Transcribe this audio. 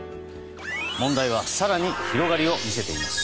問題は更に、広がりを見せています。